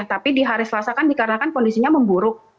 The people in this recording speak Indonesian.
tapi di hari selasa kan dikarenakan kondisinya memburuk